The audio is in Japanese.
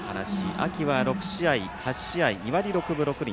秋は８試合２割６分６厘。